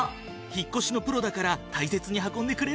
引っ越しのプロだから大切に運んでくれるよね。